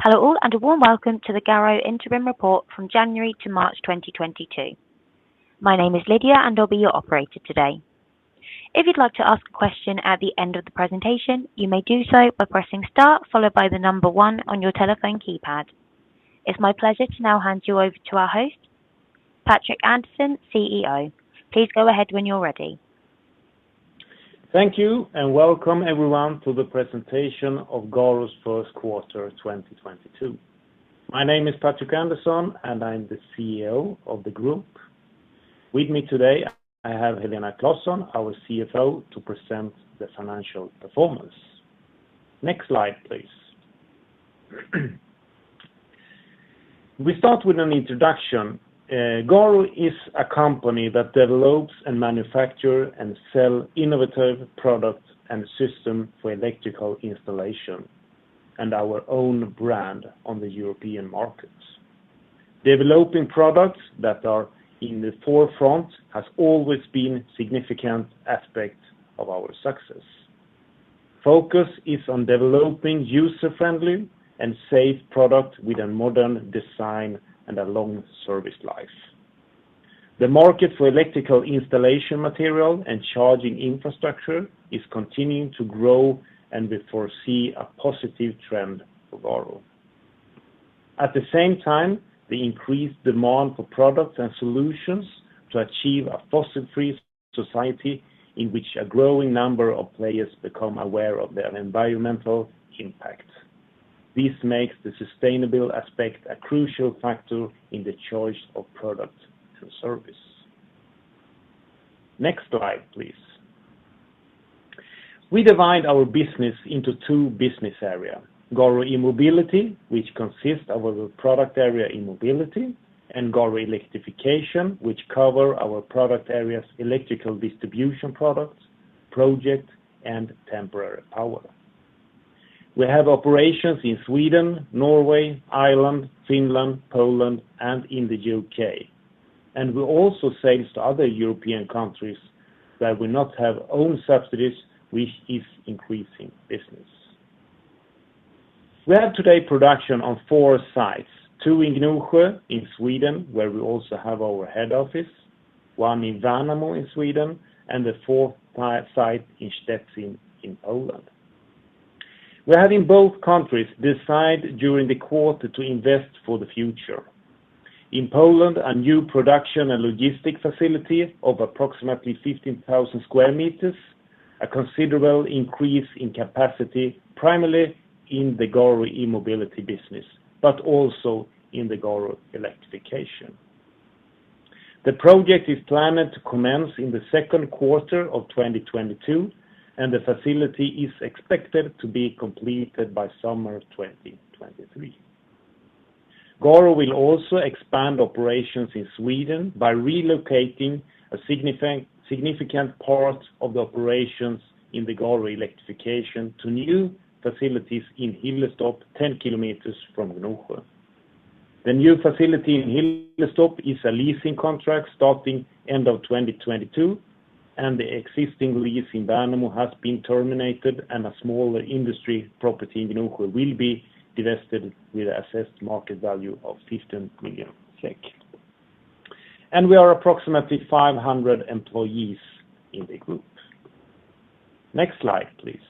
Hello all, and a warm welcome to the GARO Interim Report from January to March 2022. My name is Lydia, and I'll be your operator today. If you'd like to ask a question at the end of the presentation, you may do so by pressing star followed by the number one on your telephone keypad. It's my pleasure to hand you over to our host, Patrik Andersson, CEO. Please go ahead when you're ready. Thank you, and welcome everyone to the presentation of GARO's Q1 2022. My name is Patrik Andersson, and I'm the CEO of the group. With me today, I have Helena Claesson, our CFO, to present the financial performance. Next slide, please. We start with an introduction. GARO is a company that develops, manufactures, and sells innovative products and systems for electrical installation under our own brand on the European markets. Developing products that are at the forefront has always been a significant aspect of our success. Focus is on developing user-friendly and safe products with a modern design and a long service life. The market for electrical installation material and charging infrastructure is continuing to grow, and we foresee a positive trend for GARO. At the same time, the increased demand for products and solutions to achieve a fossil-free society is leading a growing number of players to become aware of their environmental impact. This makes the sustainable aspect a crucial factor in the choice of product or service. Next slide, please. We divide our business into two business areas, GARO E-mobility, which consists of our product area, E-mobility, and GARO Electrification, which covers our product areas, electrical distribution products, projects, and temporary power. We have operations in Sweden, Norway, Ireland, Finland, Poland, and the UK, and we also sell to other European countries where we do not own subsidiaries, which is increasing business. We have today production on four sites, two in Gnosjö in Sweden, where we also have our head office, one in Värnamo in Sweden, and the 4th site in Szczecin in Poland. We have in both countries decided during the quarter to invest in the future. In Poland, a new production and logistics facility of approximately 15,000 square meters, a considerable increase in capacity, primarily in the GARO E-mobility business, but also in the GARO Electrification. The project is planned to commence in Q2 of 2022, and the facility is expected to be completed by summer 2023. GARO will also expand operations in Sweden by relocating a significant part of the operations in the GARO Electrification to new facilities in Hylte Stop, 10 km from Gnosjö. The new facility in Hylte Stop is a leasing contract starting end of 2022, and the existing lease in Värnamo has been terminated and a smaller industrial property in Gnosjö will be divested with assessed market value of 15 million SEK. We have approximately 500 employees in the group. Next slide, please.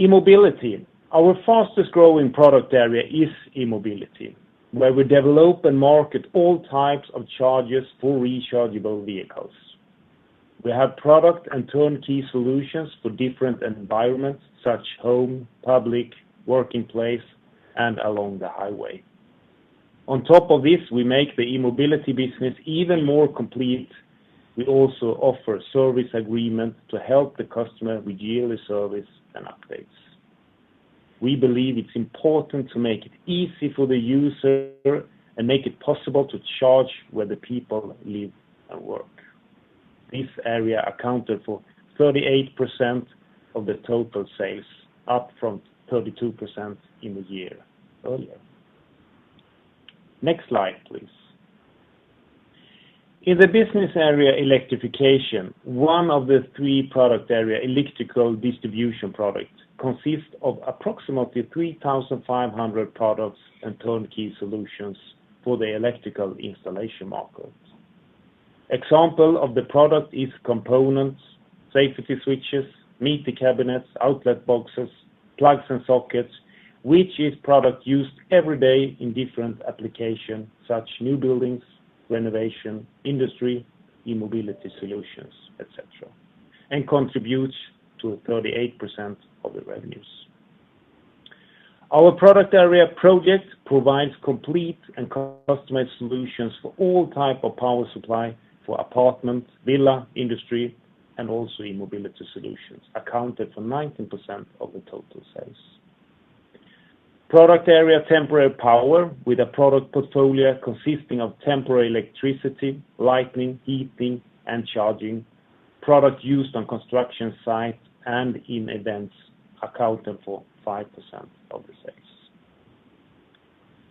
E-mobility. Our fastest-growing product area is E-mobility, where we develop and market all types of chargers for rechargeable vehicles. We have product and turnkey solutions for different environments, such as home, public, workplace, and along the highway. On top of this, we make the E-mobility business even more complete. We also offer service agreement to help the customer with yearly service and updates. We believe it's important to make it easy for the user and make it possible to charge where the people live and work. This area accounted for 38% of the total sales, up from 32% in the year earlier. Next slide, please. In the business area Electrification, one of the three product areas electrical distribution products consists of approximately 3,500 products and turnkey solutions for the electrical installation market. Examples of the products are components, safety switches, meter cabinets, outlet boxes, plugs and sockets, which are products used every day in different applications, such as new buildings, renovation, industry, E-mobility solutions, etc., and contribute to 38% of the revenues. Our product area Projects provides complete and customized solutions for all types of power supply for apartments, villas, industry, and also E-mobility solutions, accounted for 19% of the total sales. Product area Temporary Power, with a product portfolio consisting of temporary electricity, lighting, heating, and charging products used on construction sites and in events, accounted for 5% of the sales.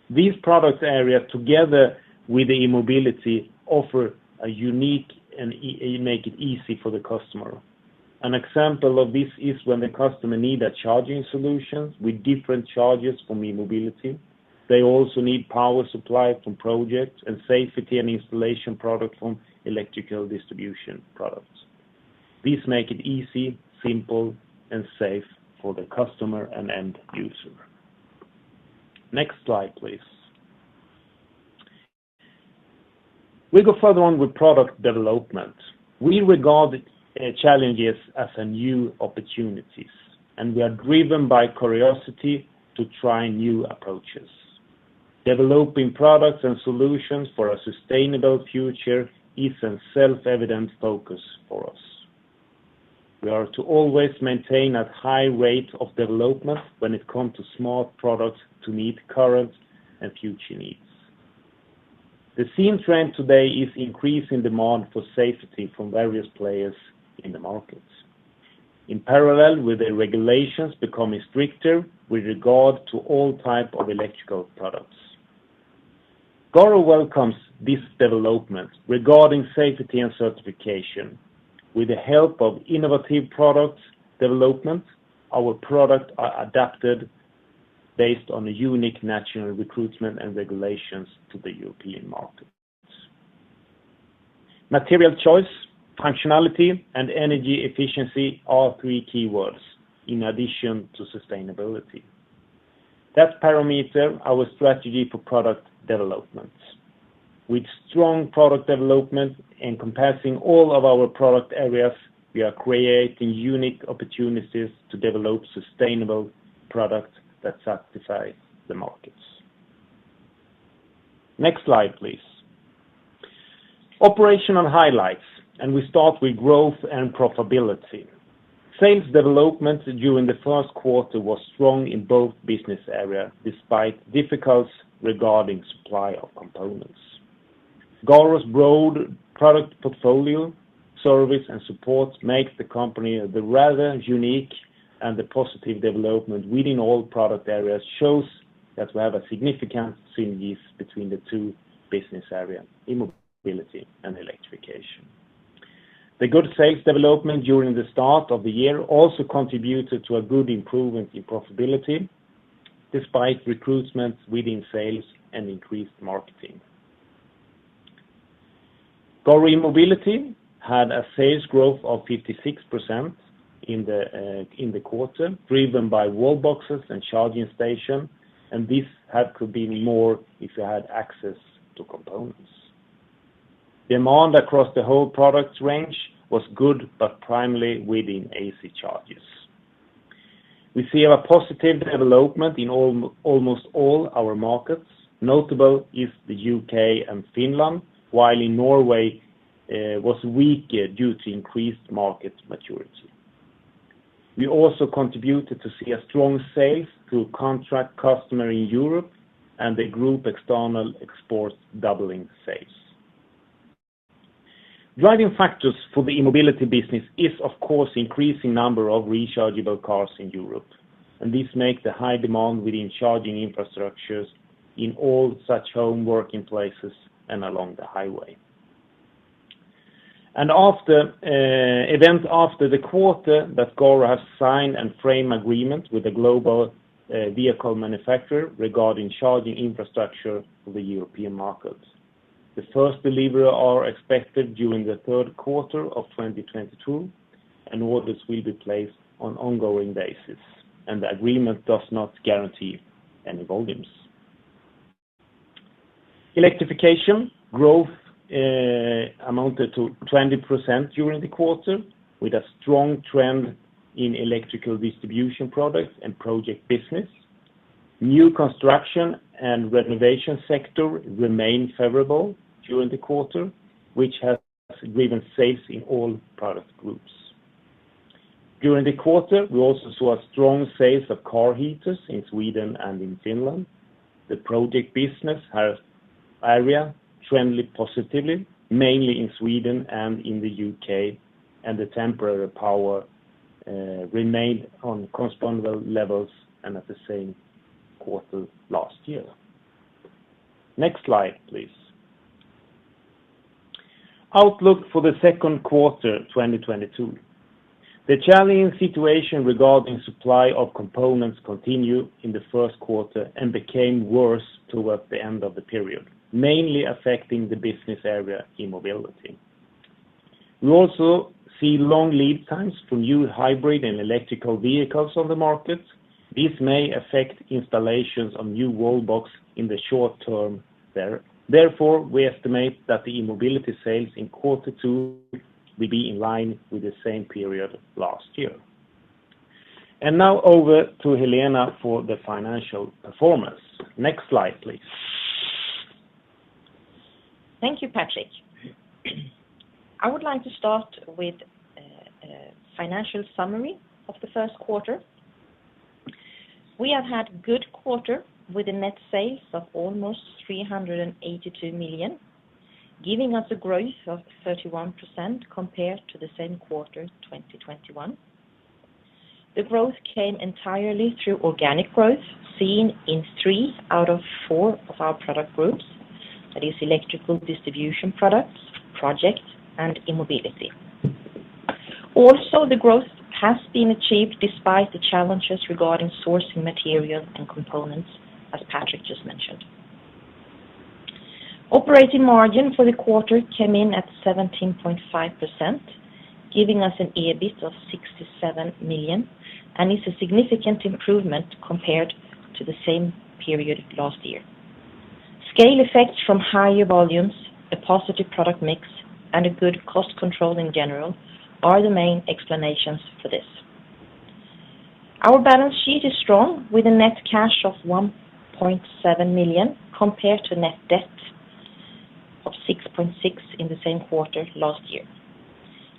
These product areas together with the E-mobility offer a unique and easy make it easy for the customer. An example of this is when the customer needs a charging solution with different chargers from E-mobility. They also need power supply from projects and safety and installation products from electrical distribution products. These make it easy, simple, and safe for the customer and end user. Next slide, please. We go further on with product development. We regard challenges as new opportunities, and we are driven by curiosity to try new approaches. Developing products and solutions for a sustainable future is a self-evident focus for us. We are to always maintain a high rate of development when it comes to smart products to meet current and future needs. The same trend today is increasing demand for safety from various players in the markets. In parallel with the regulations becoming stricter with regard to all types of electrical products. GARO welcomes this development regarding safety and certification. With the help of innovative product development, our products are adapted based on unique national requirements and regulations to the European markets. Material choice, functionality, and energy efficiency are three keywords in addition to sustainability. Those parameters are our strategy for product development. With strong product development encompassing all of our product areas, we are creating unique opportunities to develop sustainable products that satisfy the markets. Next slide, please. Operational highlights. We start with growth and profitability. Sales development during Q1 was strong in both business areas despite difficulties regarding the supply of components. GARO's broad product portfolio, service, and support make the company rather unique, and the positive development within all product areas shows that we have significant synergies between the two business areas, E-mobility and Electrification. The good sales development during the start of the year also contributed to a good improvement in profitability despite recruitments within sales and increased marketing. GARO E-mobility had a sales growth of 56% in the quarter, driven by wall boxes and charging stations, and this could have been more if they had access to components. Demand across the whole product range was good, but primarily within AC chargers. We see a positive development in almost all our markets. Notably is the U.K. and Finland, were weaker, while in Norway was weaker due to increased market maturity. We also continue to see strong sales through contract customers in Europe, and the group's external exports are doubling sales. Driving factors for the e-mobility business is of course increasing number of rechargeable cars in Europe, and this makes the high demand within charging infrastructures in all such home working places and along the highway. After events after the quarter, GARO has signed a framework agreement with a global vehicle manufacturer regarding charging infrastructure for the European markets. The first delivery is expected during Q3 2022, and orders will be placed on an ongoing basis; the agreement does not guarantee any volumes. Electrification growth amounted to 20% during the quarter, with a strong trend in electrical distribution products and project business. The new construction and renovation sector remained favorable during the quarter, which has driven sales in all product groups. During the quarter, we also saw strong sales of car heaters in Sweden and Finland. The project business has an area trending positively, mainly in Sweden and in the UK, and the temporary power remained on corresponding levels and at the same quarter last year. Next slide, please. Outlook for Q2 2022. The challenging situation regarding the supply of components continues in Q1 and has become worse towards the end of the period, mainly affecting the business area E-mobility. We also see long lead times for new hybrid and electric vehicles on the market. This may affect installations on the wall box in the short term. Therefore, we estimate that the E-mobility sales in quarter two will be in line with the same period last year. Now over to Helena for the financial performance. Next slide, please. Thank you, Patrik. I would like to start with the Financial Summary of Q1. We have had a good quarter with net sales of almost 382 million, giving us a growth of 31% compared to the same quarter in 2021. The growth came entirely through organic growth, seen in three out of four of our product groups. That is electrical distribution products, projects, and e-mobility. Also, the growth has been achieved despite the challenges regarding sourcing material and components, as Patrik just mentioned. Operating margin for the quarter came in at 17.5%, giving us an EBIT of 67 million, and is a significant improvement compared to the same period last year. Scale effects from higher volumes, a positive product mix, and good cost control in general are the main explanations for this. Our balance sheet is strong with a net cash of 1.7 million compared to net debt of 6.6 million in the same quarter last year.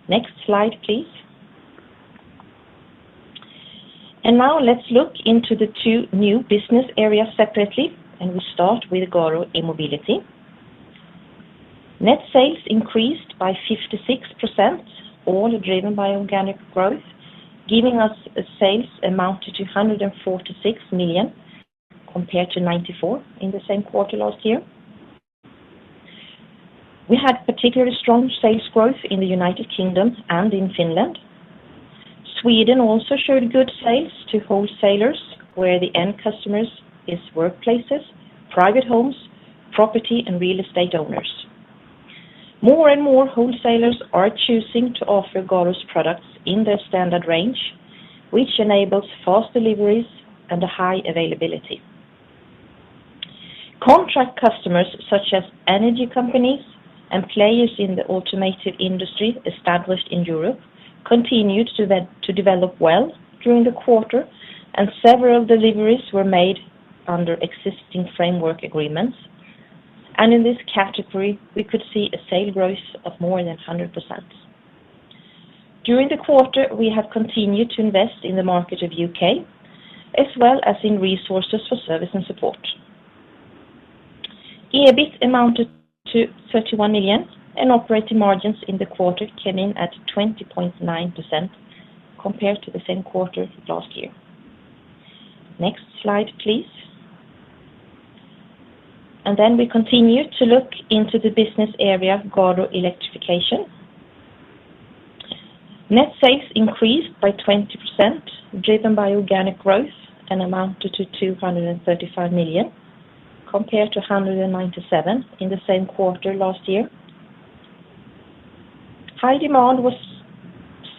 Next slide, please. Now let's look into the two new business areas separately, and we'll start with GARO E-mobility. Net sales increased by 56%, all driven by organic growth, giving us sales that amounted to 146 million compared to 94 million in the same quarter last year. We had particularly strong sales growth in the United Kingdom and in Finland. Sweden also showed good sales to wholesalers, where the end customers are workplaces, private homes, property, and real estate owners. More and more wholesalers are choosing to offer GARO's products in their standard range, which enables fast deliveries and a high availability. Contract customers, such as energy companies and players in the automation industry established in Europe, continued to develop well during the quarter, and several deliveries were made under existing framework agreements. In this category, we could see a sales growth of more than 100%. During the quarter, we have continued to invest in the UK market, as well as in resources for service and support. EBIT amounted to 31 million, and operating margins in the quarter came in at 20.9% compared to the same quarter last year. Next slide, please. We continue to look into the business area, GARO Electrification. Net sales increased by 20%, driven by organic growth, and amounted to 235 million, compared to 197 million in the same quarter last year. High demand was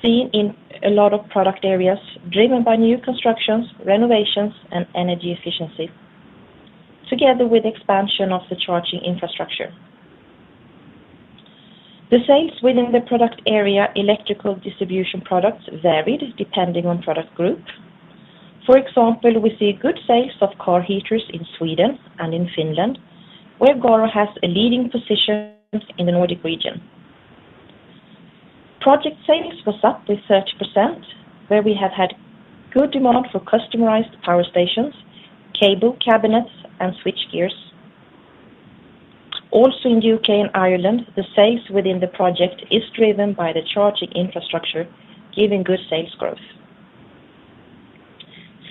seen in a lot of product areas, driven by new constructions, renovations, and energy efficiency, together with the expansion of the charging infrastructure. The sales within the product area, electrical distribution products, varied depending on the product group. For example, we see good sales of car heaters in Sweden and in Finland, where GARO has a leading position in the Nordic region. Project sales were up to 30%, where we have had good demand for customized power stations, cable cabinets, and switch gears. Also in the U.K. and Ireland, the sales within the project are driven by the charging infrastructure, giving good sales growth.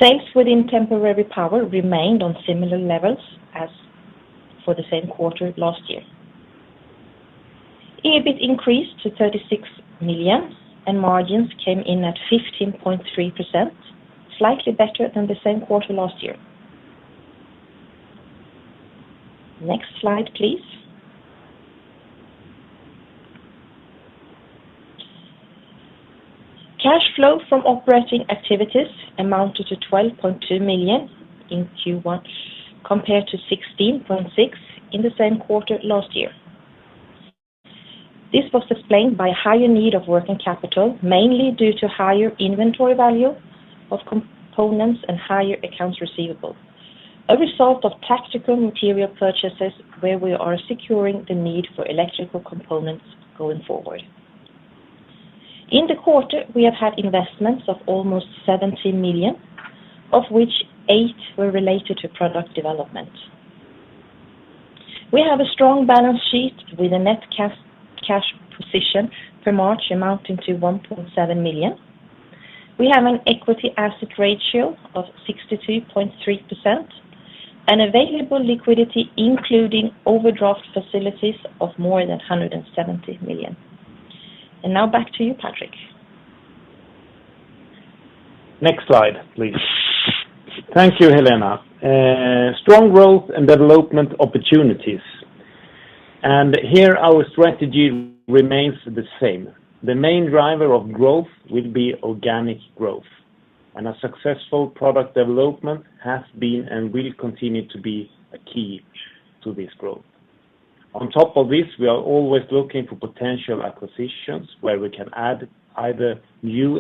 Sales within temporary power remained at similar levels as for the same quarter last year. EBIT increased to 36 million, and margins came in at 15.3%, slightly better than the same quarter last year. Next slide, please. Cash flow from operating activities amounted to 12.2 million in Q1, compared to 16.6 million in the same quarter last year. This was explained by a higher need for working capital, mainly due to the higher inventory value of components and higher accounts receivable, a result of tactical material purchases where we are securing the need for electrical components going forward. In the quarter, we have had investments of almost 17 million, of which eight were related to product development. We have a strong balance sheet with a net cash position for March amounting to 1.7 million. We have an equity/assets ratio of 62.3% and available liquidity, including overdraft facilities of more than 170 million. Now back to you, Patrik. Next slide, please. Thank you, Helena. Strong growth and development opportunities. Here, our strategy remains the same. The main driver of growth will be organic growth. A successful product development has been and will continue to be a key to this growth. On top of this, we are always looking for potential acquisitions where we can add either new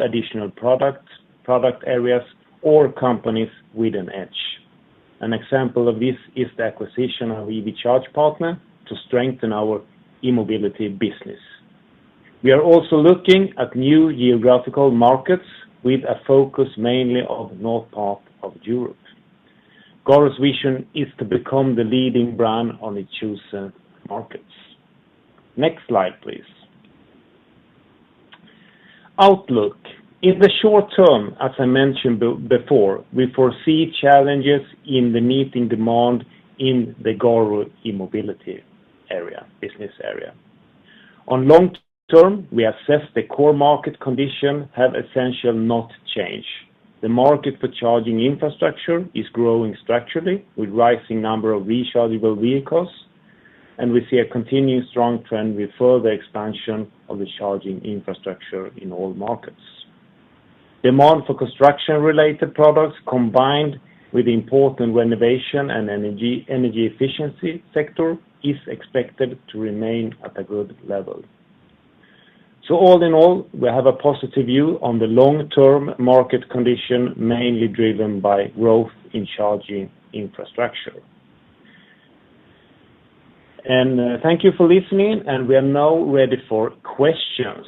products, product areas or companies with an edge. An example of this is the acquisition of EV Charge Partner to strengthen our E-mobility business. We are also looking at new geographical markets with a focus mainly of north part of Europe. GARO's vision is to become the leading brand in its chosen markets. Next slide, please. Outlook. In the short term, as I mentioned before, we foresee challenges in the meeting demand in the GARO E-mobility, less area. On long term, we assess the core market condition have essentially not changed. The market for charging infrastructure is growing structurally with rising number of rechargeable vehicles, and we see a continuing strong trend with further expansion of the charging infrastructure in all markets. Demand for construction related products, combined with important renovation and energy efficiency sector is expected to remain at a good level. All in all, we have a positive view on the long-term market condition, mainly driven by growth in charging infrastructure. Thank you for listening, and we are now ready for questions.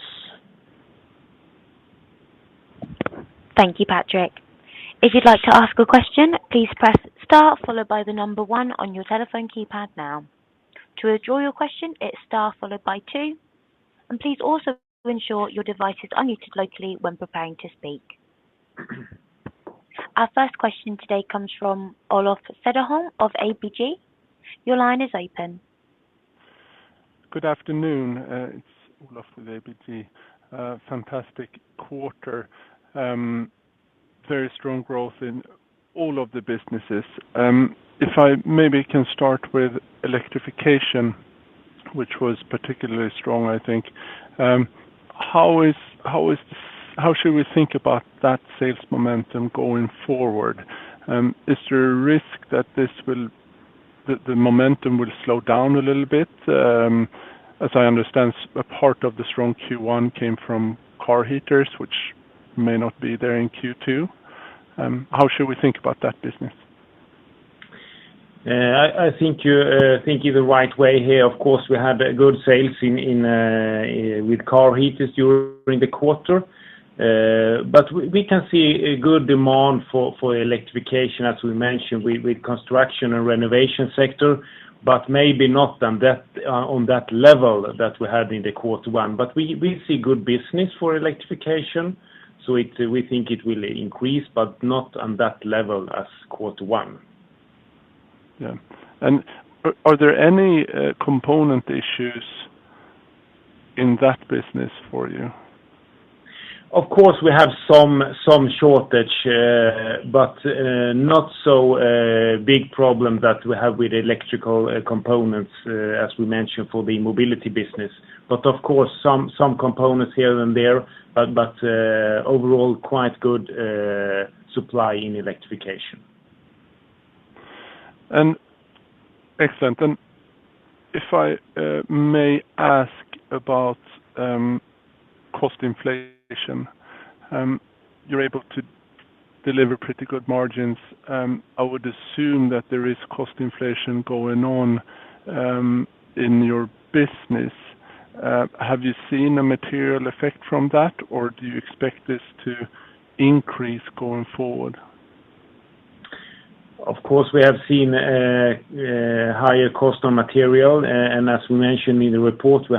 Thank you, Patrik. If you'd like to ask a question, please press star followed by the number one on your telephone keypad now. To withdraw your question, it's star followed by two. Please also ensure your device is unmuted locally when preparing to speak. Our first question today comes from Olof Cederholm of ABG. Your line is open. Good afternoon, it's Olof with ABG. Fantastic quarter, very strong growth in all of the businesses. If I maybe can start with Electrification, which was particularly strong, I think. How should we think about that sales momentum going forward? Is there a risk that the momentum will slow down a little bit? As I understand, a part of the strong Q1 came from car heaters, which may not be there in Q2. How should we think about that business? Yeah. I think you're thinking the right way here. Of course, we had good sales in car heaters during the quarter. We can see a good demand for electrification, as we mentioned, with construction and renovation sector, but maybe not on that level that we had in Q1. We see good business for electrification, so we think it will increase, but not on that level as Q1. Yeah. Are there any component issues in that business for you? Of course, we have some shortage, but not so big problem that we have with electrical components, as we mentioned for the Mobility business. Of course, some components here and there. Overall, quite good supply in Electrification. Excellent. If I may ask about cost inflation. You're able to deliver pretty good margins. I would assume that there is cost inflation going on in your business. Have you seen a material effect from that, or do you expect this to increase going forward? Of course, we have seen higher costs on materials. As we mentioned in the report, we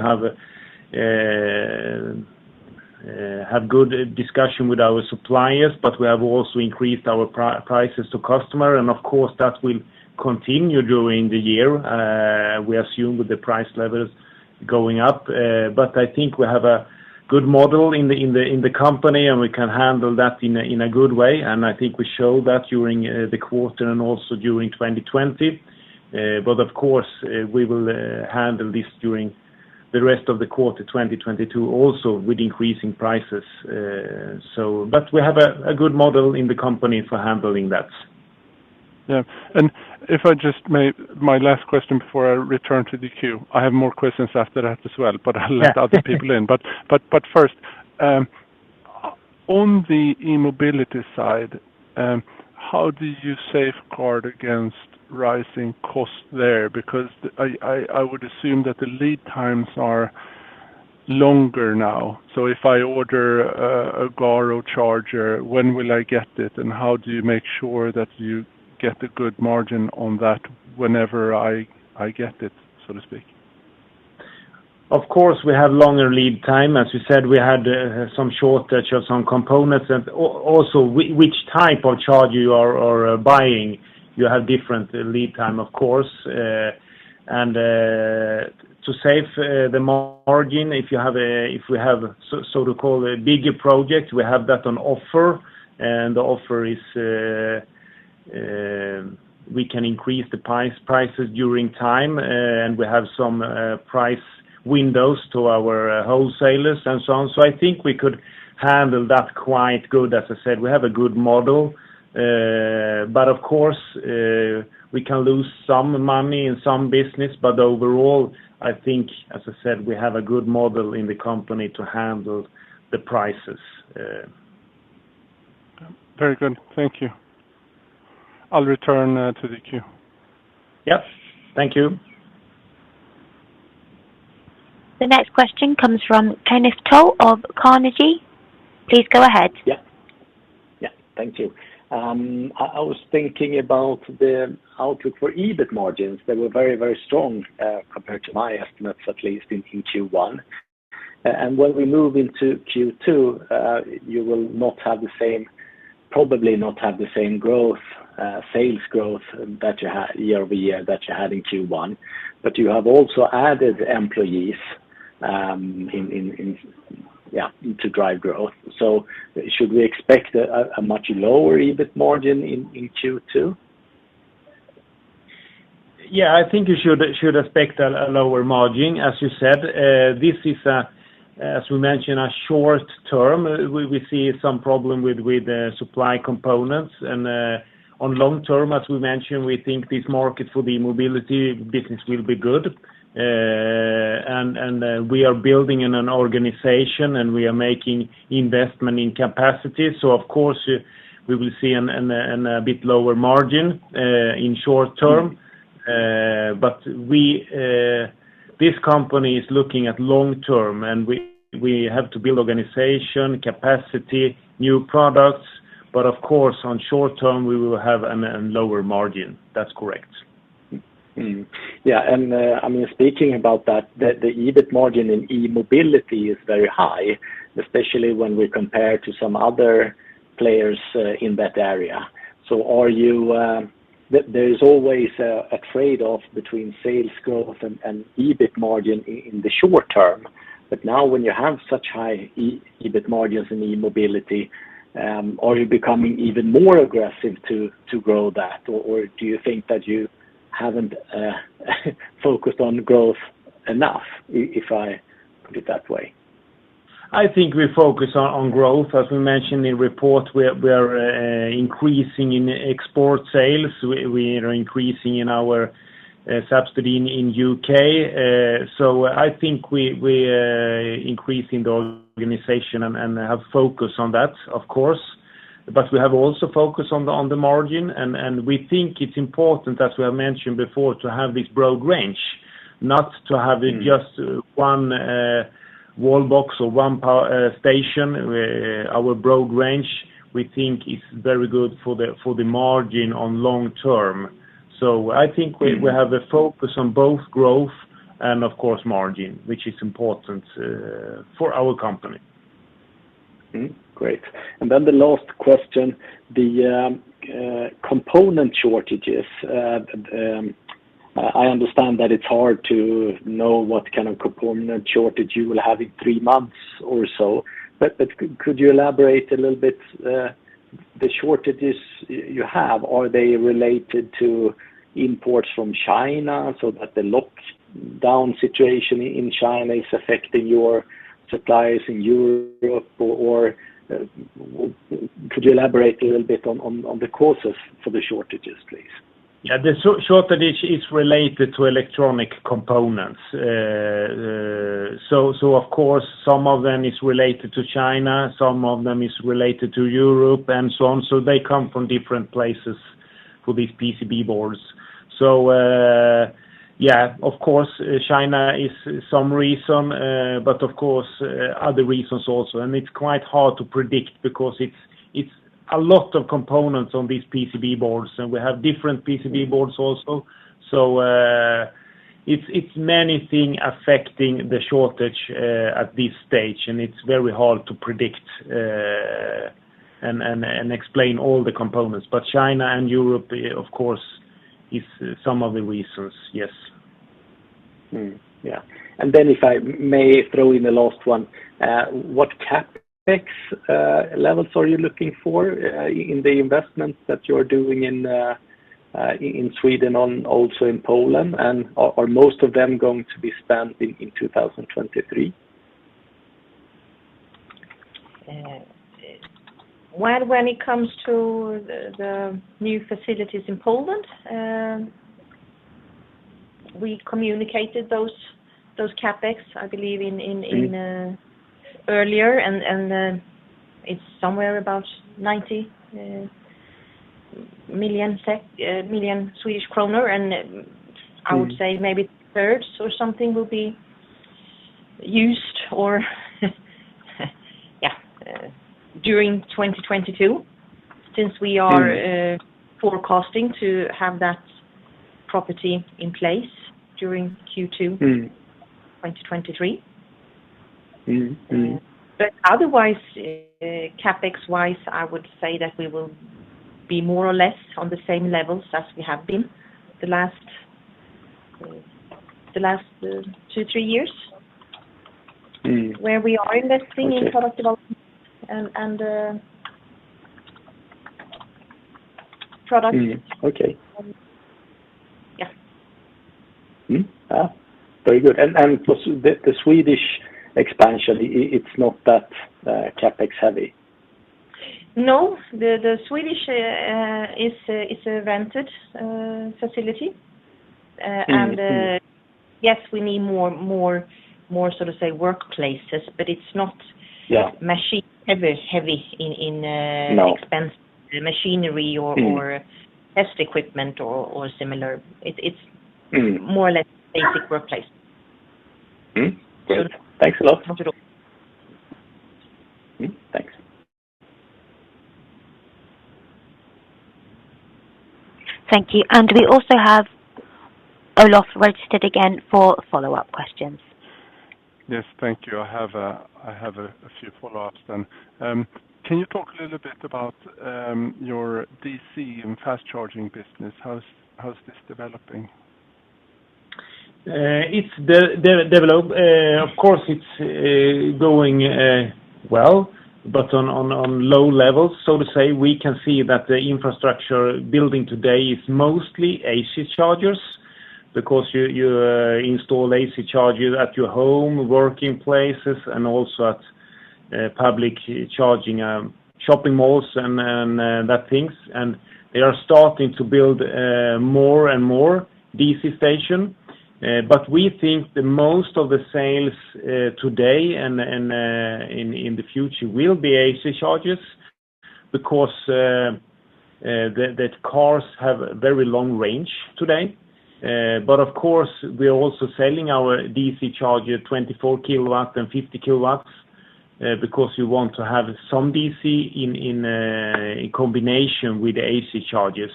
have good discussions with our suppliers, but we have also increased our prices to customers. Of course, that will continue during the year. We assume with the price levels going up. I think we have a good model in the company, and we can handle that in a good way. I think we show that during the quarter and also during 2020. Of course, we will handle this during the rest of the quarter 2022, also with increasing prices. We have a good model in the company for handling that. Yeah. If I just may, my last question before I return to the queue. I have more questions after that as well, but I'll let other people in. First, on the E-mobility side, how do you safeguard against rising costs there? Because I would assume that the lead times are longer now. If I order a Garo charger, when will I get it? And how do you make sure that you get a good margin on that whenever I get it, so to speak? Of course, we have longer lead time. As you said, we had some shortage of some components. Also which type of charger you are buying, you have different lead time, of course. To save the margin, if we have so to call a bigger project, we have that on offer. The offer is, we can increase the prices during time, and we have some price windows to our wholesalers and so on. I think we could handle that quite good. As I said, we have a good model. Of course, we can lose some money in some business. Overall, I think, as I said, we have a good model in the company to handle the prices. Very good. Thank you. I'll return to the queue. Yep. Thank you. The next question comes from Kenneth Toll Johansson of Carnegie. Please go ahead. Yeah. Thank you. I was thinking about the outlook for EBIT margins. They were very, very strong compared to my estimates, at least in Q1. When we move into Q2, you will probably not have the same sales growth that you had year-over-year in Q1, but you have also added employees to drive growth. Should we expect a much lower EBIT margin in Q2? Yeah, I think you should expect a lower margin, as you said. This is, as we mentioned, a short term. We see some problem with the supply components. On long term, as we mentioned, we think this market for the mobility business will be good. We are building an organization, and we are making investment in capacity. Of course we will see a bit lower margin in short term. We, this company, is looking at long term, and we have to build organization, capacity, new products. Of course, on short term, we will have a lower margin. That's correct. I mean, speaking about that, the EBIT margin in E-mobility is very high, especially when we compare to some other players in that area. There is always a trade-off between sales growth and EBIT margin in the short term, but now when you have such high EBIT margins in E-mobility, are you becoming even more aggressive to grow that, or do you think that you haven't focused on growth enough, if I put it that way? I think we focus on growth. As we mentioned in report, we're increasing in export sales. We are increasing in our subsidy in U.K. I think we increasing the organization and have focus on that, of course. We have also focused on the margin, and we think it's important, as we have mentioned before, to have this broad range, not to have it just one wall box or one power station. Our broad range, we think is very good for the margin on long term. I think we have a focus on both growth and of course margin, which is important for our company. Great. Then the last question, the component shortages. I understand that it's hard to know what kind of component shortage you will have in three months or so, but could you elaborate a little bit, the shortages you have? Are they related to imports from China so that the lockdown situation in China is affecting your suppliers in Europe? Or could you elaborate a little bit on the causes for the shortages, please? Yeah. The shortage is related to electronic components. Of course, some of them is related to China, some of them is related to Europe, and so on. They come from different places for these PCB boards. Of course, China is some reason, but of course, other reasons also. It's quite hard to predict because it's a lot of components on these PCB boards, and we have different PCB boards also. It's many thing affecting the shortage at this stage, and it's very hard to predict and explain all the components. China and Europe, of course, is some of the reasons, yes. If I may throw in the last one, what CapEx levels are you looking for in the investments that you're doing in Sweden and also in Poland? Are most of them going to be spent in 2023? When it comes to the new facilities in Poland, we communicated those CapEx, I believe, in earlier. It's somewhere about SEK 90 million. I would say maybe a third or something will be used during 2022, since we are forecasting to have that property in place during Q2 2023. Mm. Mm. Otherwise, CapEx-wise, I would say that we will be more or less on the same levels as we have been the last two, three years. Mm. Where we are investing in product development and product. Okay. Yeah. Very good. Plus the Swedish expansion, it's not that CapEx heavy? No. The Swedish is a rented facility. Yes, we need more, so to say, workplaces, but it's not machine heavy in expensive machinery or test equipment or similar. It's more or less basic workplace. Mm-hmm. Good. Thanks a lot. Thank you. Mm-hmm. Thanks. Thank you. We also have Olof registered again for follow-up questions. Yes, thank you. I have a few follow-ups then. Can you talk a little bit about your DC and fast charging business? How's this developing? It's developing. Of course, it's going well, but on low levels. So to say, we can see that the infrastructure building today is mostly AC chargers because you install AC chargers at your home, working places, and also at public charging, shopping malls and things like that. They are starting to build more and more DC stations. We think that most of the sales today and in the future will be AC chargers because the cars have very long range today. Of course, we are also selling our DC charger 24 kilowatts and 50 kilowatts because you want to have some DC in combination with the AC chargers.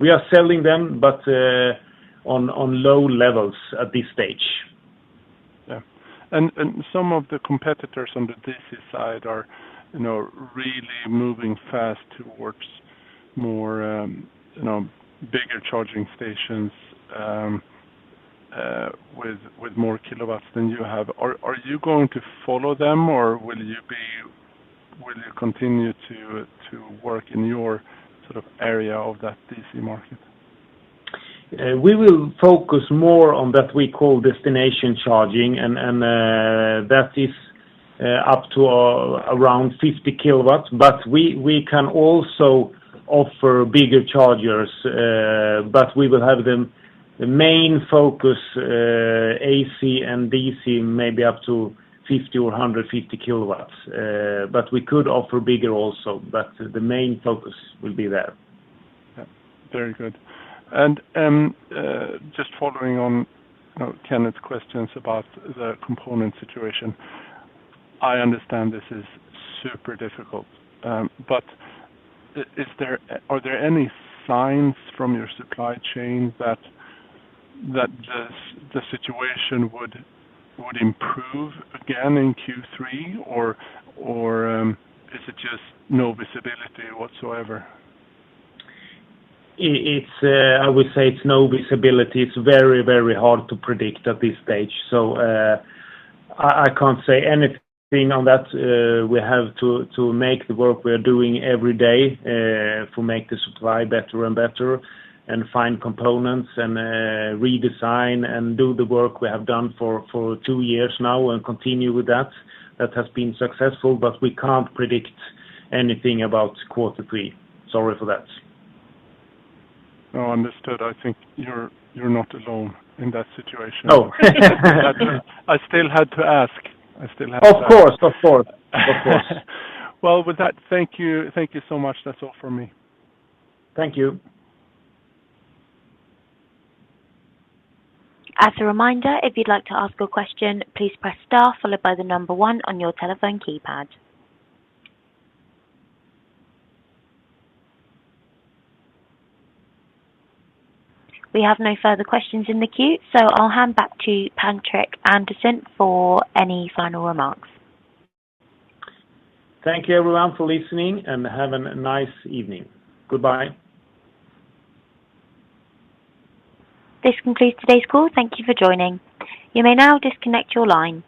We are selling them but on low levels at this stage. Yeah. Some of the competitors on the DC side are, you know, really moving fast towards more, you know, bigger charging stations with more kilowatts than you have. Are you going to follow them or will you continue to work in your sort of area of that DC market? We will focus more on that we call destination charging and that is up to around 50 kW. We can also offer bigger chargers, but we will have them the main focus, AC and DC, maybe up to 50 or 150 kW. We could offer bigger also, but the main focus will be there. Yeah. Very good. Just following on, you know, Kenneth's questions about the component situation. I understand this is super difficult. Are there any signs from your supply chain that the situation would improve again in Q3 or is it just no visibility whatsoever? I would say there's no visibility. It's very, very hard to predict at this stage. I can't say anything on that. We have to make the work we are doing every day to make the supply better and better and find components and redesign and do the work we have done for two years now and continue with that. That has been successful, but we can't predict anything about quarter three. Sorry for that. No, understood. I think you're not alone in that situation. Oh. I still had to ask. Of course. Well, with that, thank you. Thank you so much. That's all for me. Thank you. As a reminder, if you'd like to ask a question, please press star followed by the number one on your telephone keypad. We have no further questions in the queue, so I'll hand back to Patrik Andersson for any final remarks. Thank you, everyone, for listening and have a nice evening. Goodbye. This concludes today's call. Thank you for joining. You may now disconnect your line.